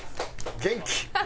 元気。